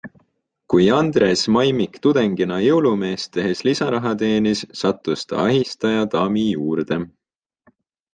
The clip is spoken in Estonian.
Kui Andres Maimik tudengina jõulumeest tehes lisaraha teenis, sattus ta ahistajadaami juurde.